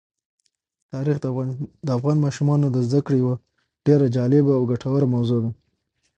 تاریخ د افغان ماشومانو د زده کړې یوه ډېره جالبه او ګټوره موضوع ده.